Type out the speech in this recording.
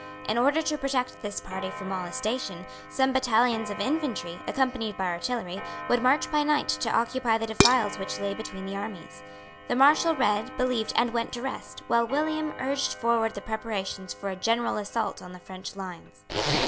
In order to protect this party from molestation, some battalions of infantry, accompanied by artillery, would march by night to occupy the defiles which lay between the armies. The Marshal read, believed and went to rest, while William urged forward the preparations for a general assault on the French lines.